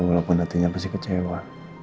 walaupun hatinya pasti kecewa